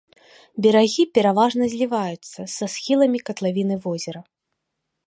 Берагі пераважна зліваюцца са схіламі катлавіны возера.